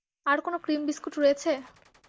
আর কোনো cream biscuit রয়েছে?